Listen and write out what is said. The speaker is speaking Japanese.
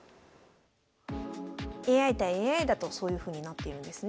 ＡＩ対ＡＩだとそういうふうになっているんですね。